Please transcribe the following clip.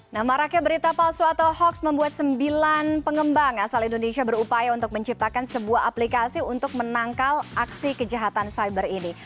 nah maraknya berita palsu atau hoax membuat sembilan pengembang asal indonesia berupaya untuk menciptakan sebuah aplikasi untuk menangkal aksi kejahatan cyber ini